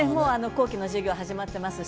後期の授業が始まってます。